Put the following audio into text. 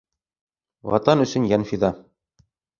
Ватан өсөн йән фиҙа.